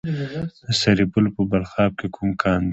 د سرپل په بلخاب کې کوم کان دی؟